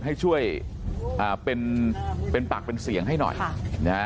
ให้ช่วยอ่าเป็นเป็นปากเป็นเสียงให้หน่อยค่ะนะฮะ